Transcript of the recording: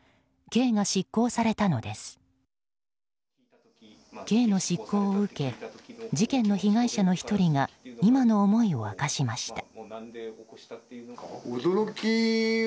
刑の執行を受け事件の被害者の１人が今の思いを明かしました。